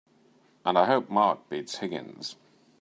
And I hope Mark beats Higgins!